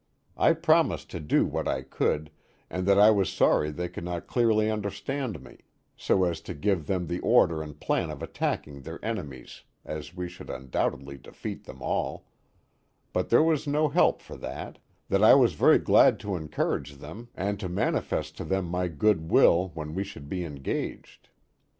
I promised to do what I could, and that I was sorry they could not clearly under stand me, so as to give them the order and plan of attacking their enemies, as we should undoubtedly defeat them all ; but there was no help for that; that I was very glad to encourage them and to manifest to them my good will when we should be engaged.